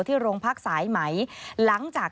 ที่โรงพักสายไหมหลังจาก